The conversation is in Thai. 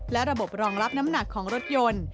และระบบรองรับน้ำหนักของรถยนต์